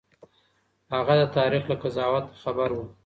هغه د تاريخ له قضاوت خبر و.